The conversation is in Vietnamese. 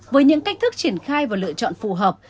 với những cách thức triển khai và lựa chọn phù hợp